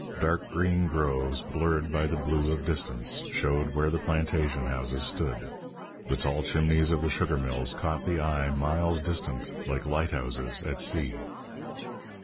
Dark green groves, blurred by the blue of distance, showed where the plantation houses stood. The tall chimneys of the sugar mills caught the eye miles distant, like lighthouses at sea.